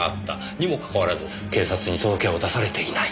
にもかかわらず警察に届けを出されていない。